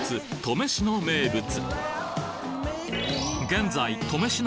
登米市の名物